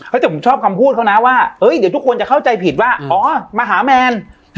จบผมชอบคำพูดเขานะว่าเดี๋ยวทุกคนจะเข้าใจผิดว่าอ๋อมาหาแมน